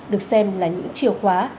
được xem là những chìa khóa